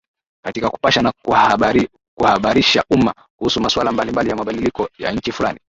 katika kupasha na kuhabarisha umma kuhusu maswala mbalimbali ya mabadiliko ya nchi fulani